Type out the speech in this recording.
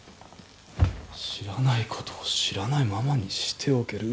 知らないことを知らないままにしておける。